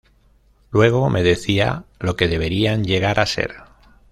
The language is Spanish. Luego me decía lo que deberían llegar a ser.